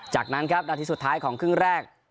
จากนั้นครับนาทีสุดท้ายของครึ่งแรก